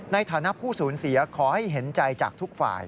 ในฐานะผู้สูญเสียขอให้เห็นใจจากทุกฝ่าย